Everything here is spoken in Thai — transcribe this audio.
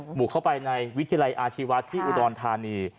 บุกเข้าไปในวิทยาลัยอาชีวะที่อุดรธานี